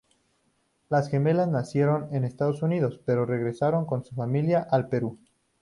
Las gemelas nacieron en Estados Unidos, pero regresaron con su familia al Perú.